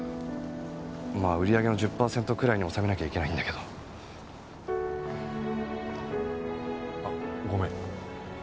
まあ売り上げの１０パーセントくらいに収めなきゃいけないんだけど。あっごめん。